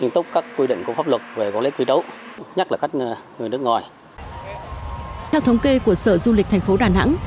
theo thống kê của sở du lịch tp đà nẵng